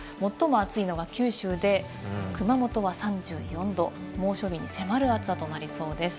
最も暑いのが九州で、熊本は３４度、猛暑日に迫る暑さとなりそうです。